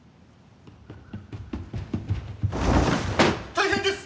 ・大変です！